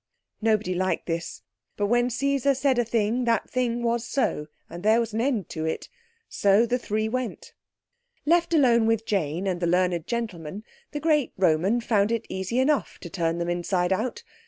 Nobody liked this; but when Caesar said a thing that thing was so, and there was an end to it. So the three went. Left alone with Jane and the learned gentleman, the great Roman found it easy enough to turn them inside out.